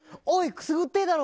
くすぐってぇだろ！